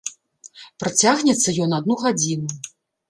Працягнецца ён адну гадзіну.